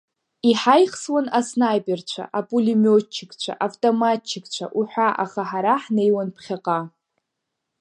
Иҳаихсуан аснаиперцәа, апулемиотчикцәа, автоматчикцәа уҳәа, аха ҳара ҳнеиуан ԥхьаҟа.